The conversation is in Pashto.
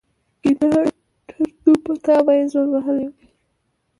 کېنه ټرتو په تا به يې زور وهلی وي.